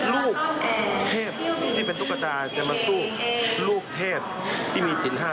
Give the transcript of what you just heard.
ลูกเทพที่เป็นตุ๊กตาจะมาสู้ลูกเทพที่มีสินห้า